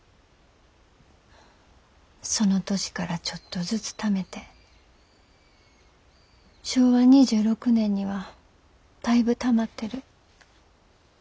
その年からちょっとずつためて昭和２６年にはだいぶたまってる。